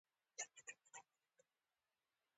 په دې توګه به پوه شو چې ولې دوی د مبارک پر ضد راپاڅېدل.